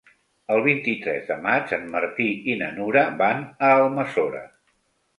El vint-i-tres de maig en Martí i na Nura van a Almassora.